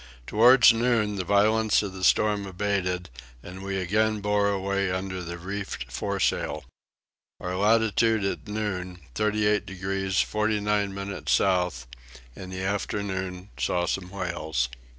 Towards noon the violence of the storm abated and we again bore away under the reefed fore sail. Our latitude at noon 38 degrees 49 minutes south: in the afternoon saw some whales.